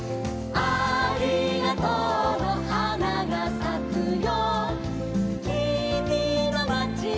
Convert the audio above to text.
「ありがとうのはながさくよ」